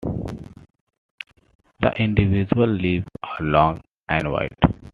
The individual leaves are long and wide.